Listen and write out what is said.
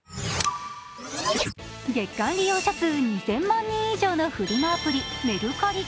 月間利用者数２０００万人以上を超えるメルカリ